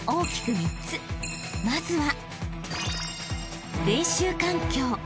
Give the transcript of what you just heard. ［まずは］